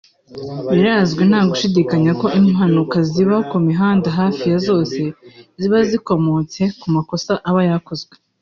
Birazwi nta gushidikanya ko impanuka ziba ku mihanda hafi ya zose ziba zikomotse ku makosa aba yakozwe